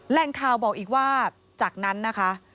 แรงข่าวบอกอีกว่าจากนั้นนะคะ